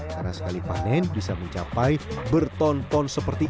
karena sekali panen bisa mencapai bertonton seperti ini